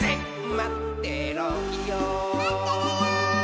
まってろよ−！